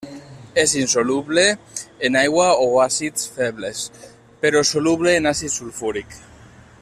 És insoluble en aigua o àcids febles, però soluble en àcid sulfúric.